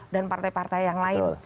dan partai partai yang lain